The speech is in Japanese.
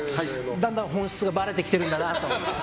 だんだん本質がばれてきているんだなと。